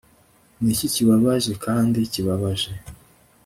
Niki kibabaje kandi kibabaje